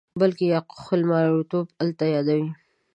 بلکې د خپل نارینتوب آلت یادوي.